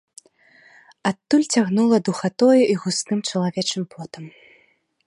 Адтуль цягнула духатою і густым чалавечым потам.